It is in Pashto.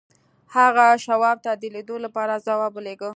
هغه شواب ته د لیدلو لپاره ځواب ولېږه